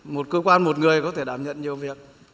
một cơ quan một người có thể đảm nhận nhiều việc